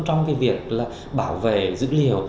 trong việc bảo vệ dữ liệu